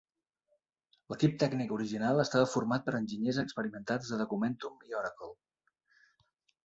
L'equip tècnic original estava format per enginyers experimentats de Documentum i Oracle.